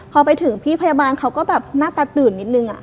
พอไปถึงพี่พยาบาลเขาก็แบบหน้าตาตื่นนิดนึง